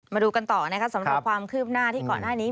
มาดูกันต่อนะครับสำหรับความคืบหน้าที่ก่อนหน้านี้